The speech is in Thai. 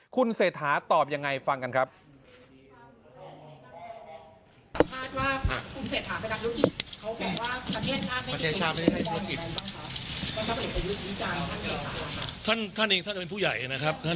คุณเศรษฐาตอบยังไงฟังกันครับ